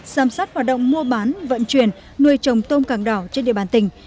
giám sát hoạt động mua bán vận chuyển nuôi trồng tôm càng đỏ trên địa bàn tỉnh